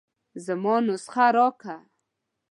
زما نسخه راکه.